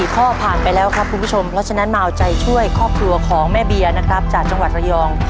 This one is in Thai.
๔ข้อผ่านไปแล้วครับคุณผู้ชมเพราะฉะนั้นมาเอาใจช่วยครอบครัวของแม่เบียร์นะครับจากจังหวัดระยอง